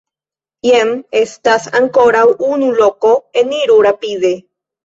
Jen estas ankoraŭ unu loko, eniru rapide.